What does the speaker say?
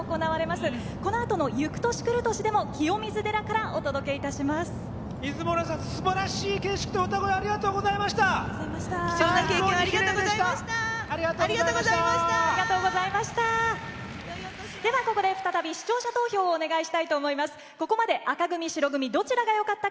すばらしい景色と歌声ありがとうございました！